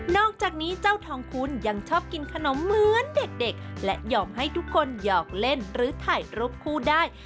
อกจากนี้เจ้าทองคุณยังชอบกินขนมเหมือนเด็กและยอมให้ทุกคนหยอกเล่นหรือถ่ายรูปคู่ได้